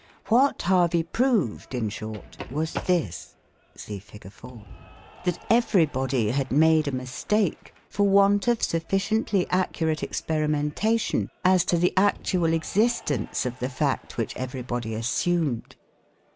What Harvey proved, in short, was this (see Fig. 4) that everybody had made a mistake, for want of sufficiently accurate experimentation as to the actual existence of the fact which everybody assumed.